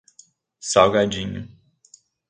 Salgadinho